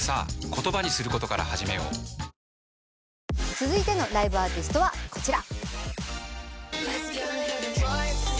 続いてのライブアーティストはこちら。